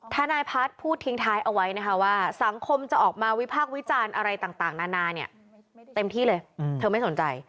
ทนายพัฒน์พูดทิ้งท้ายเอาไว้นะคะว่าสังคมจะออกมาวิพากษ์วิจารณ์อะไรต่างนานาเนี่ยเต็มที่เลยเธอไม่สนใจ